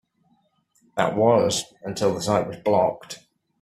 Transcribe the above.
That was until the site was blocked.